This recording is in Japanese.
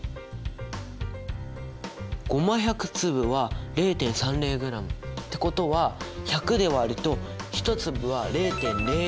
ゴマ１００粒は０．３０ｇ。ってことは１００で割ると１粒は０．００３ｇ。